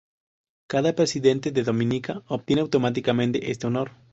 Cada Presidente de Dominica obtiene automáticamente este honor.